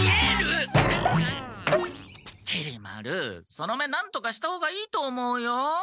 その目なんとかした方がいいと思うよ。